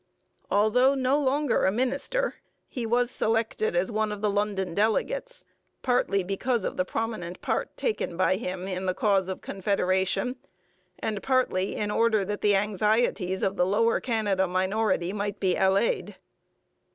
Although no longer a minister, he was selected as one of the London delegates, partly because of the prominent part taken by him in the cause of Confederation and partly in order that the anxieties of the Lower Canada minority might be allayed.